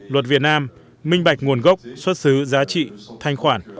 luật việt nam minh bạch nguồn gốc xuất xứ giá trị thanh khoản